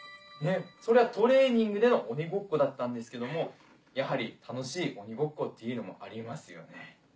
それはトレーニングでの鬼ごっこだったんですけどもやはり楽しい鬼ごっこっていうのもありますよね。